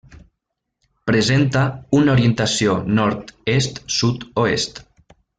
Presenta una orientació nord-est-sud-oest.